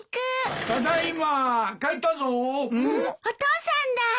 お父さんだ。